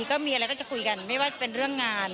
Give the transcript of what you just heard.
ก็มีอะไรก็จะคุยกันไม่ว่าจะเป็นเรื่องงาน